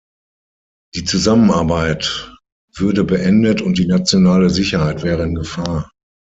Die Zusammenarbeit würde beendet und die nationale Sicherheit wäre in Gefahr.